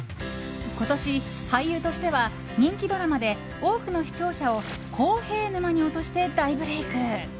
今年、俳優としては人気ドラマで多くの視聴者を洸平沼に落として大ブレーク。